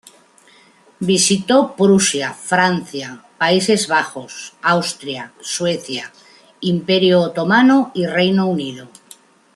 Visitó Prusia, Francia, Países Bajos, Austria, Suecia, Imperio Otomano y Reino Unido.